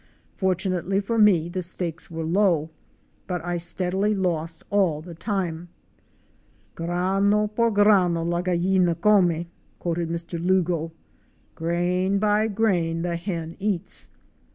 Fortunately for me, the stakes were low, for I steadily lost all the time. '' Grano ) por grano la gallina come," quoted Mr. Lugo, —" grain by grain the hen eats."